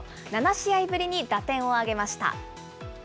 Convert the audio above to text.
７試合ぶりに打点を挙げました。